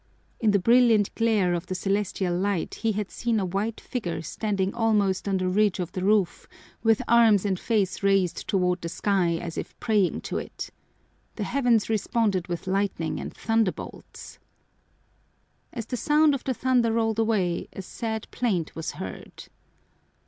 In the brilliant glare of the celestial light he had seen a white figure standing almost on the ridge of the roof with arms and face raised toward the sky as if praying to it. The heavens responded with lightning and thunderbolts! As the sound of the thunder rolled away a sad plaint was heard.